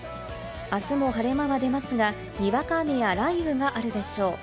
あすも晴れ間は出ますが、にわか雨や雷雨があるでしょう。